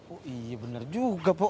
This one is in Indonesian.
oh iya bener juga pok